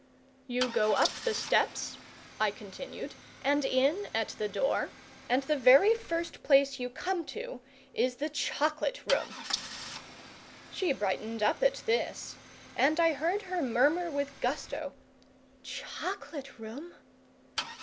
"You go up the steps," I continued, "and in at the door, and the very first place you come to is the Chocolate room!" She brightened up at this, and I heard her murmur with gusto, "Chocolate room!"